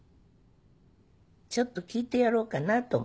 ちょっと聞いてやろうかなと思って。